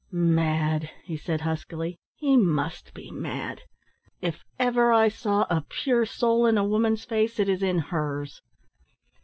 "Mad!" he said huskily. "He must be mad! If ever I saw a pure soul in a woman's face, it is in hers!"